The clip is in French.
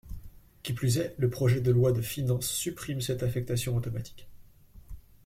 Qui plus est, le projet de loi de finances supprime cette affectation automatique.